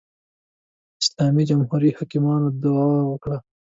اسلامي جمهوري حاکمانو دعوا وکړه